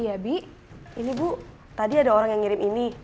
ya bi ini bu tadi ada orang yang ngirim ini